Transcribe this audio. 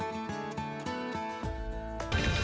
jangan jauhkan fiturnya dengan pedana bentuk luas